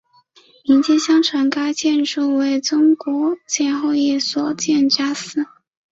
民间相传该建筑为曾国荃后裔所建家祠。